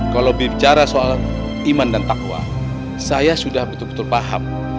kalau bicara soal iman dan takwa saya sudah betul betul paham